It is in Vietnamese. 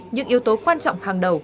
những yếu tố quan trọng hàng đầu